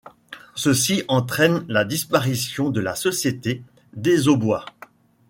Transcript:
Ceci entraîne la disparition de la Société Desaubois.